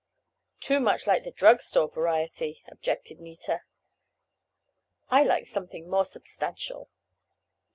"Too much like the drug store variety," objected Nita. "I like something more substantial."